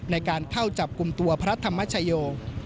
ในการเข้าจับกลุ่มตัวพระธรรมชโย